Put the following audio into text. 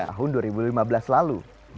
tahun dua ribu lima belas lalu